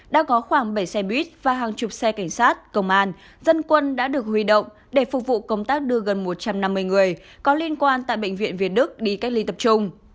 đã có khoảng bảy xe buýt và hàng chục xe cảnh sát công an dân quân đã được huy động để phục vụ công tác đưa gần một trăm năm mươi người có liên quan tại bệnh viện việt đức đi cách ly tập trung